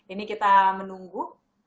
ini kita menunggu